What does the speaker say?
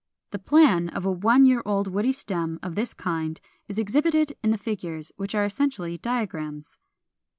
The plan of a one year old woody stem of this kind is exhibited in the figures, which are essentially diagrams.